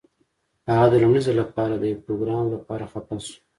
هغه د لومړي ځل لپاره د یو پروګرامر لپاره خفه شو